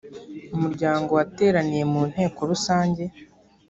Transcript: umuryango wateraniye mu nteko rusange.